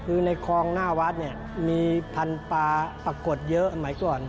คือในคลองหน้าวัดมีพันธุ์ปลาปรากฏเยอะอันไหนก่อน